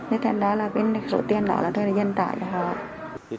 thế nên đó là cái số tiền đó là thuê nhân tải cho họ